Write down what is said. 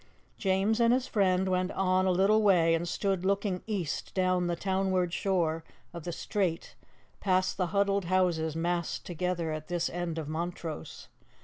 James and his friend went on a little way and stood looking east down the townward shore of the strait past the huddled houses massed together at this end of Montrose.